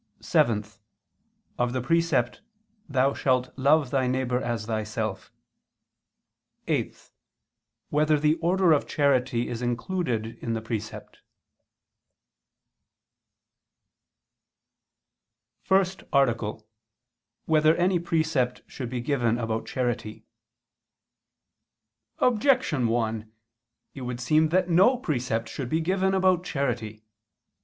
(7) Of the precept: "Thou shalt love thy neighbor as thyself"; (8) Whether the order of charity is included in the precept? _______________________ FIRST ARTICLE [II II, Q. 44, Art. 1] Whether Any Precept Should Be Given About Charity? Objection 1: It would seem that no precept should be given about charity.